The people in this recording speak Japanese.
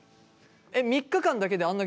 ３日間だけであんな